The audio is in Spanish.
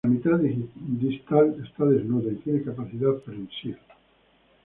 La mitad distal está desnuda y tiene capacidad prensil.